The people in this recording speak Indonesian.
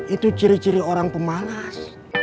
itu ciri ciri orang pemalas